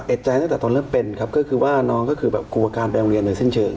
ใจตั้งแต่ตอนเริ่มเป็นครับก็คือว่าน้องก็คือแบบกลัวการไปโรงเรียนในสิ้นเชิง